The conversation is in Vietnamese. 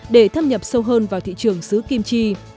để thâm nhập sâu hơn vào thị trường xứ kim chi